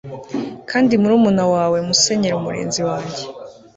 kandi murumuna wawe musenyeri, umurinzi wanjye